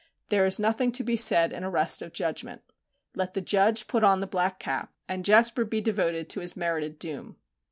There is nothing to be said in arrest of judgment. Let the judge put on the black cap, and Jasper be devoted to his merited doom.